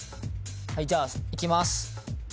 はいじゃあいきます